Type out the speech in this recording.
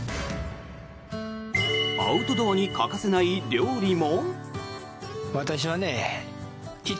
アウトドアに欠かせない料理も。